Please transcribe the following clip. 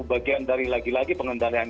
bagian dari lagi lagi pengendalian